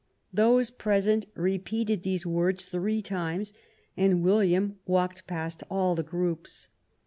" Those present repeated these words three times, and William walked past all the groups.